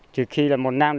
trừ khi là một năm